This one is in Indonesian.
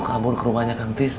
kamu ke rumahnya kang tis